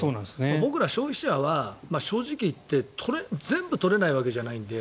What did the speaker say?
僕ら消費者は、正直言って全部取れないわけじゃないので